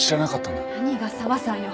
何が「紗和さん」よ。